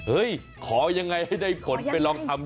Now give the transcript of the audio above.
เอ้ยขอยังไงให้ได้คนลองทำ